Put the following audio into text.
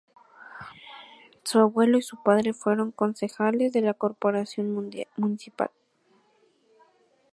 Su abuelo y su padre fueron concejales de la corporación municipal.